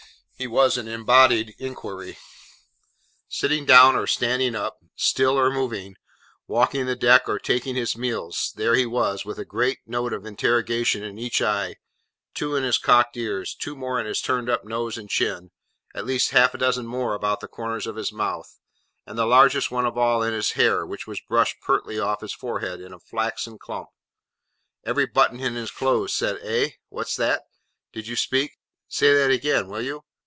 He was an embodied inquiry. Sitting down or standing up, still or moving, walking the deck or taking his meals, there he was, with a great note of interrogation in each eye, two in his cocked ears, two more in his turned up nose and chin, at least half a dozen more about the corners of his mouth, and the largest one of all in his hair, which was brushed pertly off his forehead in a flaxen clump. Every button in his clothes said, 'Eh? What's that? Did you speak? Say that again, will you?